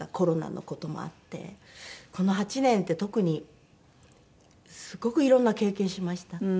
この８年って特にすごくいろんな経験しました。